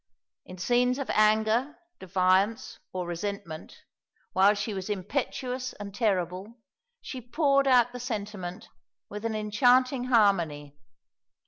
In scenes of anger, defiance, or resentment, while she was impetuous and terrible, she poured out the sentiment with an enchanting harmony.